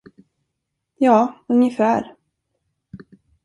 Ja, ungefär.